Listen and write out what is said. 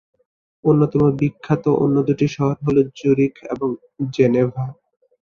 অন্যতম বিখ্যাত অন্য দুটি শহর হলো জুরিখ এবং জেনেভা।